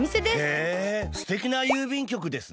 へえすてきな郵便局ですね。